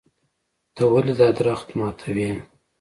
ته ولې دا درخت ماتوې.